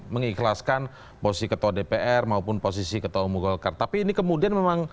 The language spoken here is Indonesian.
terima kasih pak saramudi